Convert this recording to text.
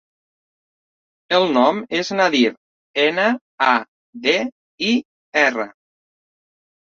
El nom és Nadir: ena, a, de, i, erra.